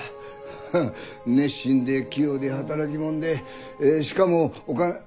ハハ熱心で器用で働き者でえしかもお金。